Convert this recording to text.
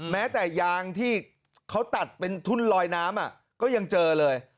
แม้แต่ยางที่เขาตัดเป็นทุ่นลอยน้ำก็ยังเจอเลย